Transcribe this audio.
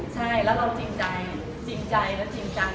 ใช่แล้วเราจริงใจจริงใจและจริงจัง